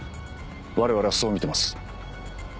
我々はそう見てます。